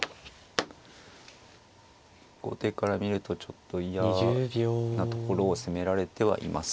後手から見るとちょっと嫌なところを攻められてはいます。